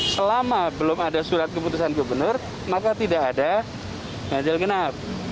selama belum ada surat keputusan gubernur maka tidak ada ganjil genap